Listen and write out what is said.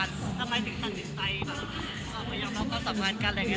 สมัยสิทธิ์สังสิทธิ์ใจออกมายอมรับความสำหรับกันอะไรอย่างเงี้ย